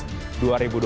kami akan segera kembali